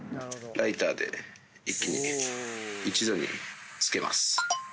ライターで、一気に、一度につけます。